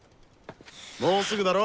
もうすぐだろ？